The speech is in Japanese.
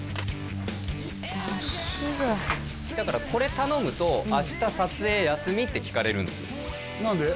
出汁がだからこれ頼むと「明日撮影休み？」って聞かれるんです何で？